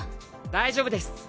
大丈夫です。